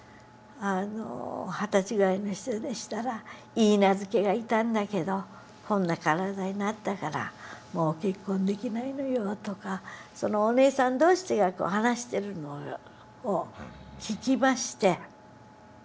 二十歳ぐらいの人でしたらいいなずけがいたんだけどこんな体になったからもう結婚できないのよとかそのおねえさん同士が話してるのを聞きまして。